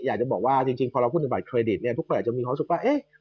อยากจะบอกว่าจริงพอเราพูดถึงบัตรเครดิตเนี่ยทุกคนอาจจะมีความรู้สึกว่าเอ๊ะ